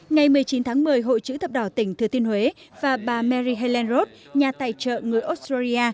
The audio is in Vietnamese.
ngày một mươi chín tháng một mươi hội chữ thập đảo tỉnh thừa thiên huế và bà mary helen roth nhà tài trợ người australia